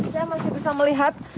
saya masih bisa melihat